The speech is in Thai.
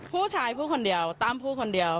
ผู้ชายพูดคนเดียวตั้มพูดคนเดียว